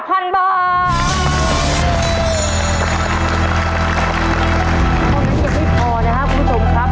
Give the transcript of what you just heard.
ขอบคุณที่ไม่พอนะครับคุณผู้ชมครับ